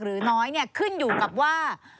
หรือน้อยขึ้นอยู่กับว่า